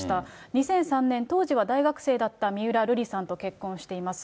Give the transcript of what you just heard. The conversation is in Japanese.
２００３年、当時は大学生だった三浦瑠麗さんと結婚しています。